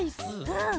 うん。